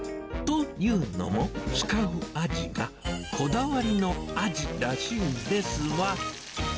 というのも、使うアジが、こだわりのアジらしいんですわ。